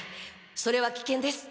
それは危険です。